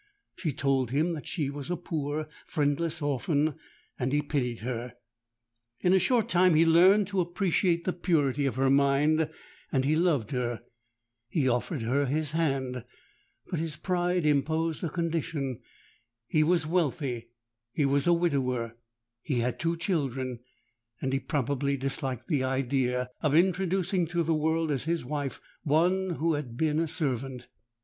She told him that she was a poor friendless orphan and he pitied her:—in a short time he learnt to appreciate the purity of her mind—and he loved her. He offered her his hand;—but his pride imposed a condition. He was wealthy—he was a widower—he had two children; and he probably disliked the idea of introducing to the world as his wife one who had been a servant.